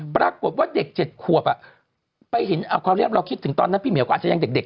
ปรากฏว่าเด็ก๗ขวบไปเห็นความเรียบเราคิดถึงตอนนั้นพี่เหี่ยวก็อาจจะยังเด็ก